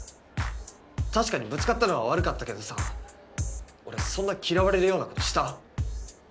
確かにぶつかったのは悪かったけどさ俺そんな嫌われるようなことした？